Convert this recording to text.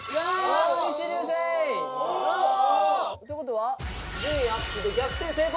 大西流星！という事は順位アップで逆転成功！